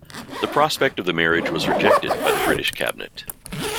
The prospect of the marriage was rejected by the British Cabinet.